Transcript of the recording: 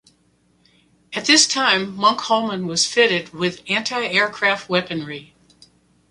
At this time, Munkholmen was fitted with anti-aircraft weaponry.